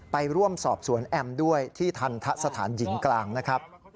ไปร่วมสอบสวนแอมด้วยที่ทันทะสถานหญิงกลางนะครับ